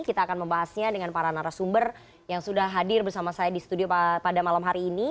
kita akan membahasnya dengan para narasumber yang sudah hadir bersama saya di studio pada malam hari ini